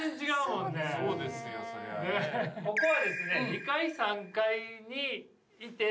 ここはですね。